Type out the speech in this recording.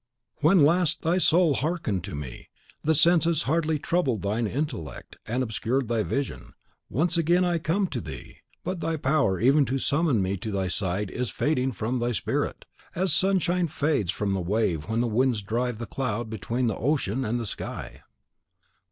When last thy soul hearkened to me, the senses already troubled thine intellect and obscured thy vision. Once again I come to thee; but thy power even to summon me to thy side is fading from thy spirit, as sunshine fades from the wave when the winds drive the cloud between the ocean and the sky."